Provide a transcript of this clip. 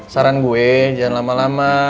saran gue jangan lama lama